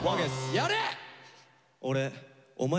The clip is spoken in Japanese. やれ！